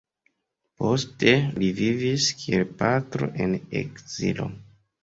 Poste li vivis, kiel la patro, en ekzilo.